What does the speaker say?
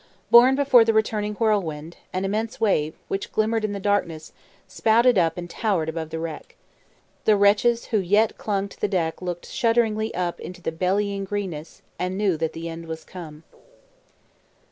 Borne before the returning whirlwind, an immense wave, which glimmered in the darkness, spouted up and towered above the wreck. The wretches who yet clung to the deck looked shuddering up into the bellying greenness, and knew that the end was come.